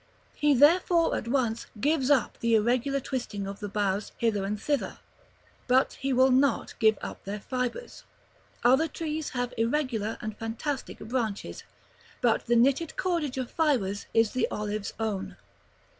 He therefore at once gives up the irregular twisting of the boughs hither and thither, but he will not give up their fibres. Other trees have irregular and fantastic branches, but the knitted cordage of fibres is the olive's own.